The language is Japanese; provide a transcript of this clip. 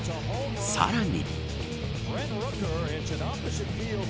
さらに。